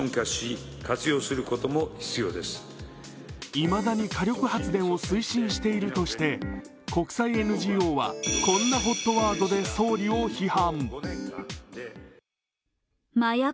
いまだに火力発電を推進しているとして国際ＮＧＯはこんなＨＯＴワードで総理を批判。